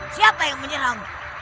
siapa yang menyerang